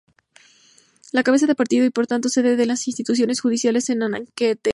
La cabeza de partido y por tanto sede de las instituciones judiciales es Antequera.